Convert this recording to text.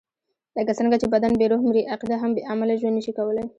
لکه څنګه چې بدن بې روح مري، عقیده هم بې عمله ژوند نشي کولای.